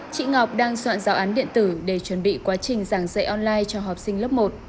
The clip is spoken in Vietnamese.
chị ngọc đang soạn giáo án điện tử để chuẩn bị quá trình giảng dạy online cho học sinh lớp một